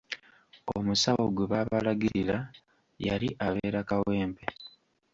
Omusawo gwe baabalagirira yali abeera Kawempe.